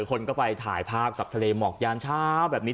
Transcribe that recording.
คนก็ไปถ่ายภาพกับทะเลหมอกยานเช้าแบบนี้